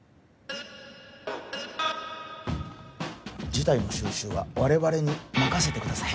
事態の収拾は我々に任せてください